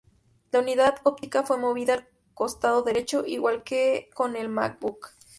La unidad óptica fue movida al costado derecho, igual que con el MacBook.